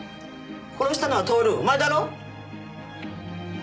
殺したのは享お前だろ？